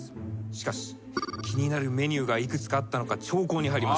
しかし気になるメニューが幾つかあったのか長考に入ります。